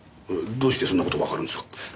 どうしてそんな事わかるんですか？